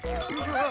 あっ！